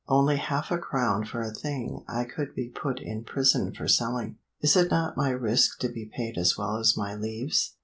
"Only half a crown for a thing I could be put in prison for selling. Is not my risk to be paid as well as my leaves?"